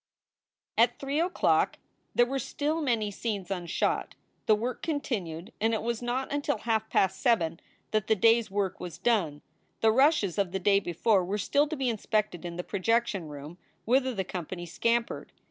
At three o clock there were still many scenes unshot. The work continued and it was not until half past seven that the day s work was done. The "rushes" of the day before were still to be inspected in the projection room, whither the company scampered.